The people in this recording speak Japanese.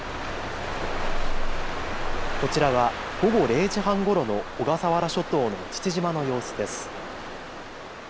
こちらは午後０時半ごろの小笠原諸島の父島の様子です。